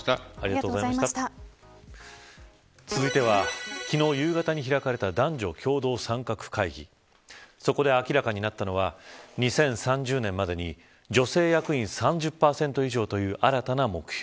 続いては、昨日夕方に開かれた男女共同参画会議そこで明らかになったのは２０３０年までに女性役員３０％以上という新たな目標。